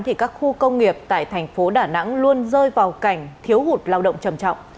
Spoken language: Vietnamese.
thì các khu công nghiệp tại thành phố đà nẵng luôn rơi vào cảnh thiếu hụt lao động trầm trọng